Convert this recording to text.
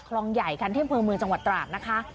คลองใหญ่คันเทพมือเมืองจังหวัดตราดนะคะ